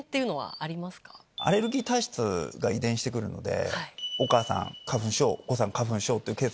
アレルギー体質が遺伝してくるので。